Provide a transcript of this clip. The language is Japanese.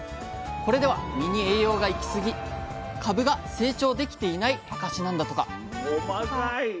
これでは実に栄養が行きすぎ株が成長できていない証しなんだとか。